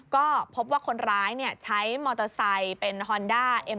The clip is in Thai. ก็พบว่าคนร้ายใช้มอเตอร์ไซค์เป็นฮอนด้าเอ็ม